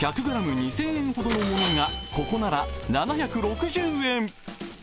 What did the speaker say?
２０００円ほどのものが、ここなら７６０円。